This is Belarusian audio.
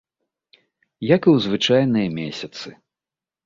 Як і ў звычайныя месяцы.